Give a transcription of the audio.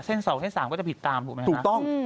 เส้น๒เส้น๓ก็จะผิดตามถูกไหมนะ